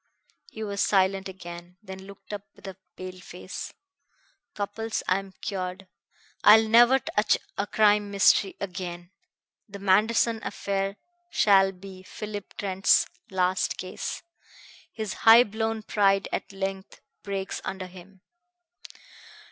He was silent again, then looked up with a pale face. "Cupples, I am cured. I will never touch a crime mystery again. The Manderson affair shall be Philip Trent's last case. His high blown pride at length breaks under him."